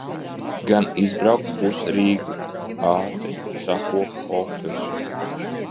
Gan izbraukt pus Rīgu. Ātri sakopu ofisu.